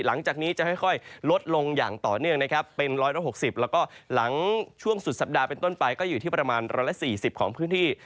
หลังจากนี้จะค่อยลดลงอย่างต่อเนื่องนะครับเป็น๑๖๐แล้วก็หลังช่วงสุดสัปดาห์เป็นต้นไปก็อยู่ที่ประมาณ๑๔๐ของพื้นที่